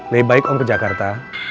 lebih baik om ke jakarta